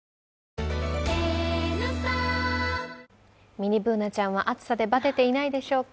ミニＢｏｏｎａちゃんは暑さでバテてないでしょうか。